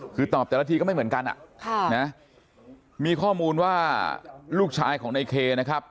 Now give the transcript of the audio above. คือตอบแต่ละทีก็ไม่เหมือนกันมีข้อมูลว่าลูกชายของในเคนะครับ